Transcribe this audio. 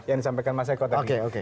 yang disampaikan mas eko tadi